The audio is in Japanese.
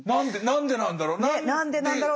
何でなんだろう。